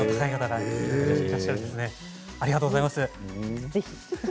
ありがとうございます。